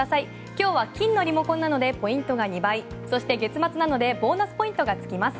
今日は金のリモコンなのでポイントが２倍そして月末なのでボーナスポイントがつきます。